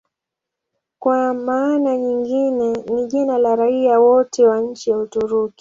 Kwa maana nyingine ni jina la raia wote wa nchi ya Uturuki.